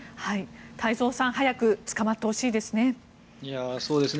太蔵さん早く捕まってほしいですね。